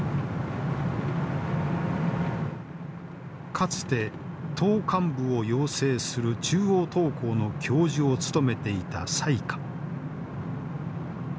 かつて党幹部を養成する中央党校の教授を務めていた蔡霞。